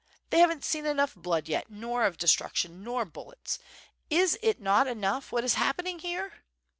They haven't seen enough blood yet, nor of destruction, nor bullets! Is it not enough what is hap pening here?